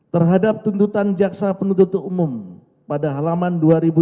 terhadap tuntutan jaksa penuntut umum pada halaman dua ribu tiga ratus empat puluh sembilan